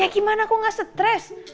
ya gimana aku gak stres